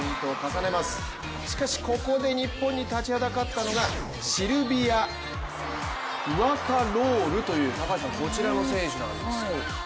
しかしここで日本に立ちはだかったのがシルビア・ウワカロールというこちらの選手なんですね。